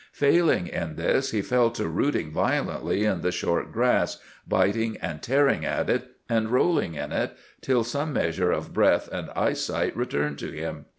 Failing in this, he fell to rooting violently in the short grass, biting and tearing at it and rolling in it, till some measure of breath and eyesight returned to him.